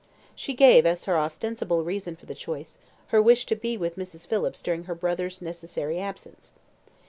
She gave as her ostensible reason for the choice, her wish to be with Mrs. Phillips during her brother's necessary absence.